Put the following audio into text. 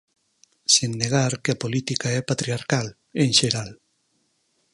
Sen negar que a política é patriarcal, en xeral.